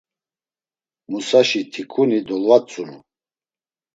Musaşi tikuni dolvatzunu.